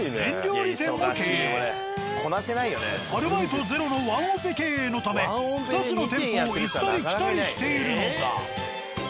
アルバイト０のワンオペ経営のため２つの店舗を行ったり来たりしているのだ。